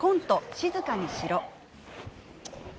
「静かにしろ」。